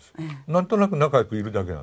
何となく仲良くいるだけなの。